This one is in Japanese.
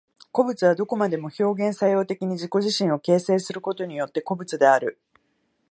個物はどこまでも表現作用的に自己自身を形成することによって個物である。